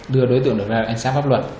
đưa đối tượng ra ánh sáng pháp luận